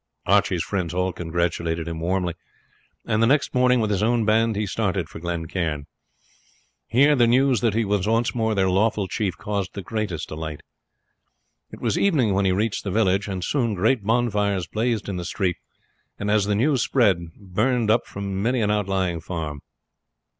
Archie's friends all congratulated him warmly, and the next morning, with his own band, he started for Glen Cairn. Here the news that he was once more their lawful chief caused the greatest delight. It was evening when he reached the village, and soon great bonfires blazed in the street, and as the news spread burned up from many an outlying farm.